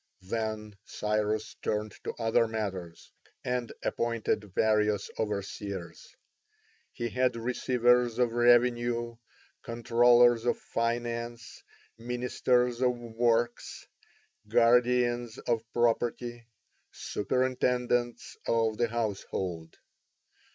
Then Cyrus turned to other matters, and appointed various overseers: he had receivers of revenue, controllers of finance, ministers of works, guardians of property, superintendents of the household.